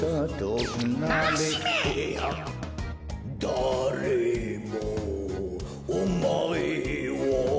「だれもおまえを」